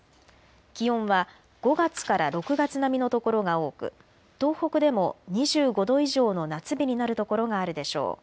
気温は５月から６月並みの所が多く東北でも２５度以上の夏日になる所があるでしょう。